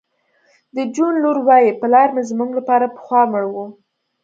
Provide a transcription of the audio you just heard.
د جون لور وایی پلار مې زموږ لپاره پخوا مړ و